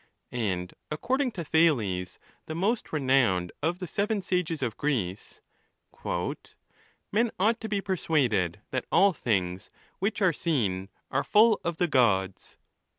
And according to Thales, the most renowned of the seven sages of Greece, "men ought to be persuaded that all things which are seen are full of the gods."